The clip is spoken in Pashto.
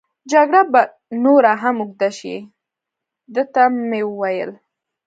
جګړه به نوره هم اوږد شي، ده ته مې وویل.